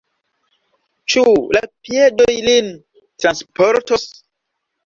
Ĉu la piedoj lin transportos?